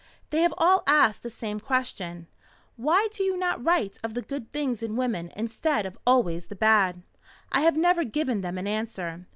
They have all asked the same question: Why do you not write of the good things in women instead of always the bad? I have never given them an answer.